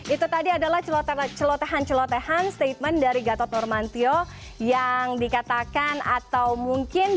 itu tadi adalah celotehan celotehan statement dari gatot nurmantio yang dikatakan atau mungkin